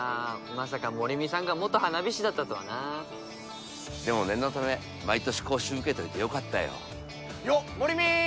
まさか守見さんが元花火師だったとはなでも念のため毎年講習受けといてよかったよよっ守見！